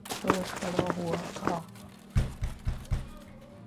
وہ زمین پہ کھڑا ہوا تھا۔